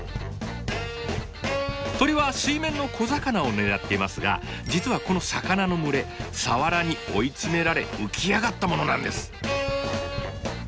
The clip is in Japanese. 鳥は水面の小魚を狙っていますが実はこの魚の群れサワラに追い詰められ浮き上がったものなんです。